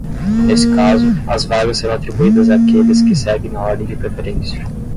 Nesse caso, as vagas serão atribuídas àqueles que seguem na ordem de preferência.